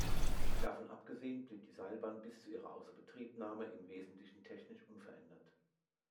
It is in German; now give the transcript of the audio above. Davon abgesehen blieb die Seilbahn bis zu ihrer Außerbetriebnahme im Wesentlichen technisch unverändert.